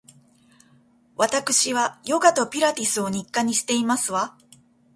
わたくしはヨガとピラティスを日課にしていますわ